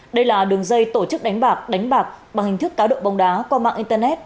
đây là đường dây tổ chức đánh bạc đánh bạc bằng hình thức cá độ bóng đá qua mạng internet